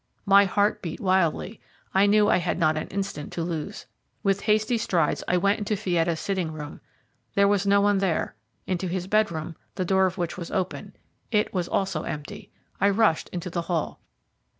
My heart beat wildly. I knew I had not an instant to lose. With hasty strides I went into Fietta's sitting room: there was no one there; into his bedroom, the door of which was open: it was also empty. I rushed into the hall.